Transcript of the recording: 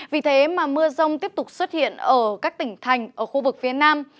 vì thế mà mưa rông tiếp tục xuất hiện ở các tỉnh thành ở khu vực phía nam